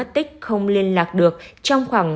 tích không liên lạc được trong khoảng